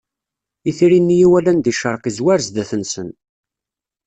Itri-nni i walan di ccerq izwar zdat-nsen.